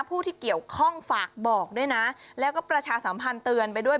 ผู้ที่เกี่ยวข้องฝากบอกด้วยนะแล้วก็ประชาสัมพันธ์เตือนไปด้วย